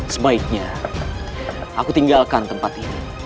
sebaiknya aku tinggalkan tempat ini